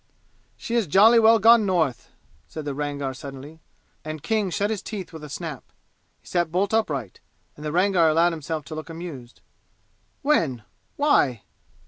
"She has jolly well gone North!" said the Rangar suddenly, and King shut his teeth with a snap. He sat bolt upright, and the Rangar allowed himself to look amused. "When? Why?"